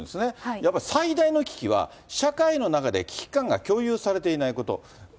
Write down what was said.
やっぱり最大の危機は、社会の中で危機感が共有されていないこと。